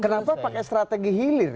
kenapa pakai strategi hilir